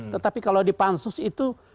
tetapi kalau di pansus itu